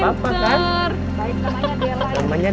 gak apa apa gak mau della